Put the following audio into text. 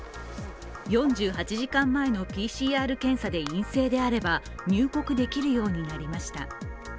４８時間前のＰＣＲ検査で陰性であれば入国できるようになりました。